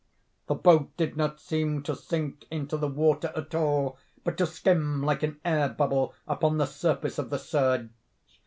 The boat did not seem to sink into the water at all, but to skim like an air bubble upon the surface of the surge.